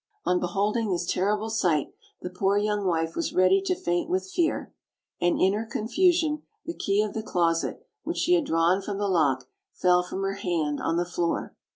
On beholding this terrible sight the poor young wife was ready to faint with fear, and, in her confusion, the key of the closet, which she had drawn from the lock, fell from her hand on the floor.